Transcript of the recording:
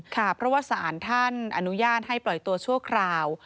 ค่ะเพราะว่าสารท่านอนุญาตให้ปล่อยตัวชั่วคราว